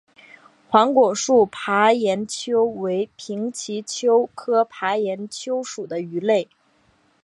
黄果树爬岩鳅为平鳍鳅科爬岩鳅属的鱼类。